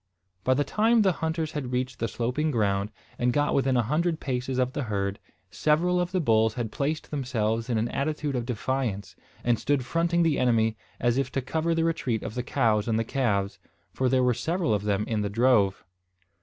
By the time the hunters had reached the sloping ground, and got within a hundred paces of the herd, several of the bulls had placed themselves in an attitude of defiance, and stood fronting the enemy, as if to cover the retreat of the cows and calves, for there were several of them in the drove.